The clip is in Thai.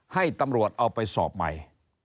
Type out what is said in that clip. ให้ตำรวจเอาไปสอบใหม่